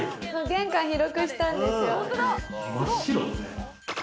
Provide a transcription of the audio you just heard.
玄関広くしたんですよ。